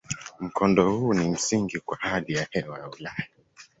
Mkondo huu ni msingi kwa hali ya hewa ya Ulaya.